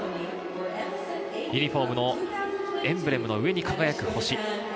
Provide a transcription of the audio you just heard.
ユニホームのエンブレムの上に輝く星。